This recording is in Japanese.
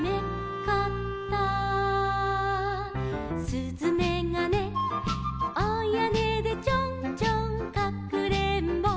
「すずめがねお屋根でちょんちょんかくれんぼ」